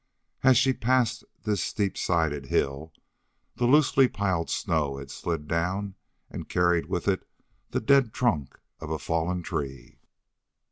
As she passed this steep sided hill the loosely piled snow had slid down and carried with it the dead trunk of a fallen tree.